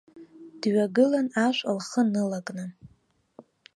Дҩагылан, ашә лхы нылакны.